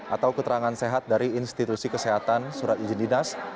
atau keterangan sehat dari institusi kesehatan surat izin dinas